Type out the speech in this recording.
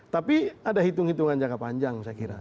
tapi ada hitung hitungan jangka panjang saya kira